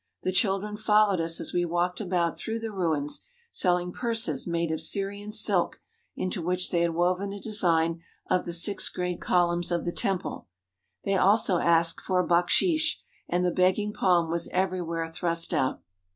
The children followed us as we walked about through the ruins, selling purses made of Syrian silk into which they had woven a design of the six great col umns of the temple. They also asked for baksheesh, and the begging palm was everywhere thrust out.